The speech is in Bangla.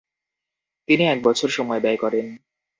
তিনি এক বছর সময় ব্যয় করেন।